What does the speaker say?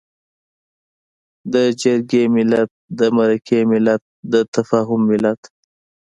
د جرګې ملت، د مرکې ملت، د تفاهم ملت.